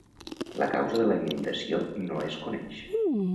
La causa de la inundació no es coneix.